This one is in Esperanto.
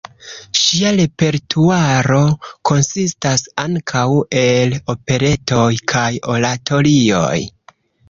Ŝia repertuaro konsistas ankaŭ el operetoj kaj oratorioj.